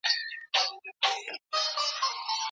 پیسې د ژوند هرڅه نه دي.